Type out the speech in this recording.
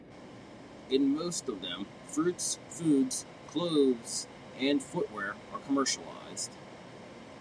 In most of them, fruits, foods, clothes and footwear are commercialized.